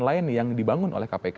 lain yang dibangun oleh kpk